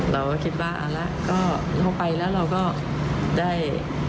เราก็คิดว่าเอาละก็เข้าไปแล้วเราก็ได้